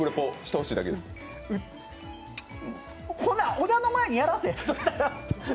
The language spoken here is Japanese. ほな、小田の前にやらせい。